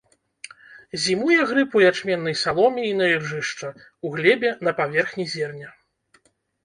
Зімуе грыб у ячменнай саломе і на іржышча, у глебе, на паверхні зерня.